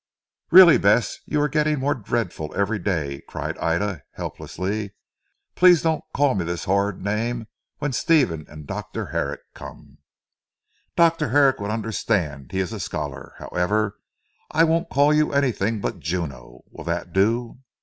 "Really Bess, you are getting more dreadful every day," cried Ida helplessly, "please don't call me this horrid name when Stephen and Dr. Herrick come." "Dr. Herrick would understand; he is a scholar. However I won't call you anything but Juno will that do?"